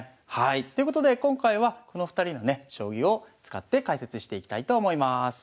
はいということで今回はこの２人のね将棋を使って解説していきたいと思います。